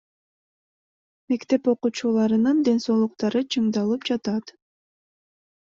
Мектеп окуучуларынын ден соолуктары чыңдалып жатат.